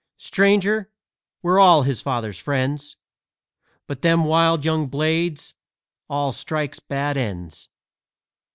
Stranger, we're all his father's friends, But them wild young blades all strikes bad ends!"